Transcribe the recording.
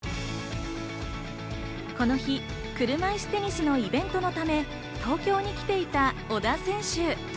この日、車いすテニスのイベントのため東京に来ていた小田選手。